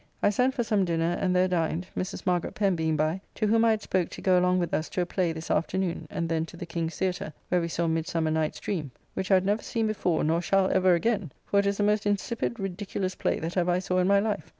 I sent for some dinner and there dined, Mrs. Margaret Pen being by, to whom I had spoke to go along with us to a play this afternoon, and then to the King's Theatre, where we saw "Midsummer's Night's Dream," which I had never seen before, nor shall ever again, for it is the most insipid ridiculous play that ever I saw in my life.